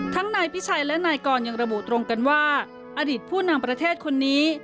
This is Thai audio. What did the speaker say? นายพิชัยและนายกรยังระบุตรงกันว่าอดีตผู้นำประเทศคนนี้